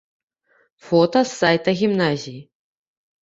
Фота з сайта гімназіі.